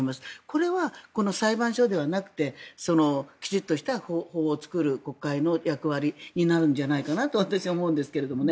これはこの裁判所ではなくてきちっとした法を作る国会の役割になるんじゃないかと私は思うんですけども。